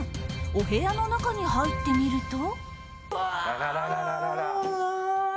お部屋の中に入ってみると。